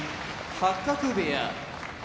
八角部屋